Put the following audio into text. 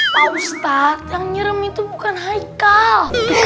pak ustadz yang nyerem itu bukan haikal